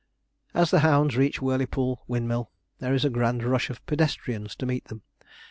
As the hounds reach Whirleypool Windmill, there is a grand rush of pedestrians to meet them.